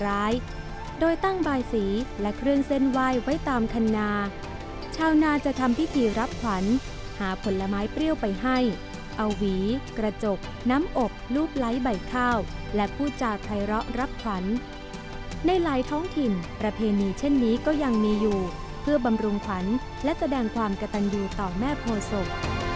ร้ายโดยตั้งบายสีและเครื่องเส้นไหว้ไว้ตามคันนาชาวนาจะทำพิธีรับขวัญหาผลไม้เปรี้ยวไปให้เอาหวีกระจกน้ำอบรูปไร้ใบข้าวและพูดจาภัยร้อรับขวัญในหลายท้องถิ่นประเพณีเช่นนี้ก็ยังมีอยู่เพื่อบำรุงขวัญและแสดงความกระตันอยู่ต่อแม่โพศพ